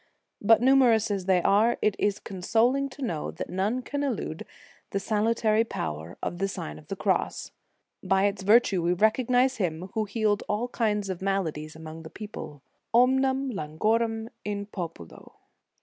But numerous as they are, it is consoling to know that none can elude the salutary power of the Sign of the Cross. By its vir tue we recognize Him who healed all kinds of maladies among the people ; omnem Ian guorem in populo.